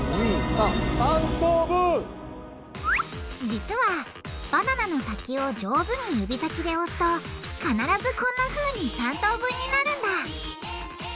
実はバナナの先を上手に指先で押すと必ずこんなふうに３等分になるんだ！